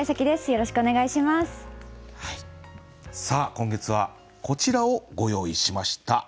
さあ今月はこちらをご用意しました。